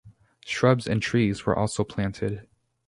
Shrubs and trees were also planted.